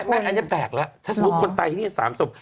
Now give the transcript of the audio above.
อันนี้แปลกแล้วถ้าทุกคนตายที่นี่๓ศพ